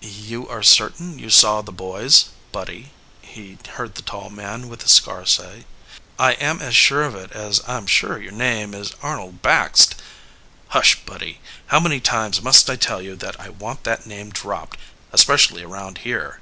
"You are certain you saw the boys, Buddy?" he heard the tall man with the scar say. "I'm as sure of it as I'm sure your name is Arnold Baxt " "Hush, Buddy, how many times must I tell you that I want that name dropped, especially around here?"